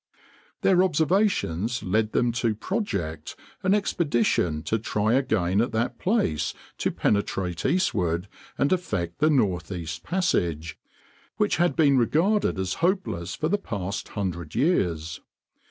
Their observations led them to project an expedition to try again at that place to penetrate eastward, and effect the Northeast Passage, which had been regarded as hopeless for the past hundred years.